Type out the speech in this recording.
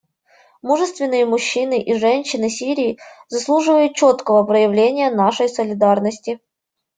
Мужественные мужчины и женщины Сирии заслуживают четкого проявления нашей солидарности.